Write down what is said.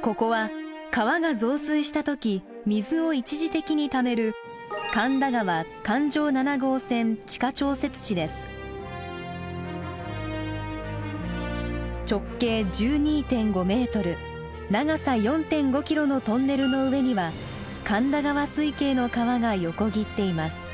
ここは川が増水した時水を一時的にためる直径１２．５ｍ長さ４．５ｋｍのトンネルの上には神田川水系の川が横切っています。